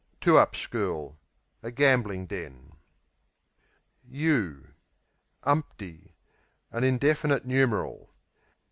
Two up School A gambling den. Umpty An indefinite numeral.